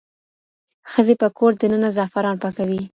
ښځې په کور دننه زعفران پاکوي.